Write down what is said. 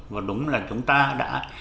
và đúng là chúng ta đã